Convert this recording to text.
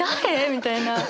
みたいな。